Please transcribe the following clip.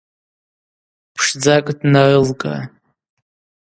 Пшдзакӏ днарылга.